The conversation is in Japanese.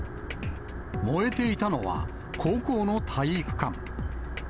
燃えていたのは、高校の体育館。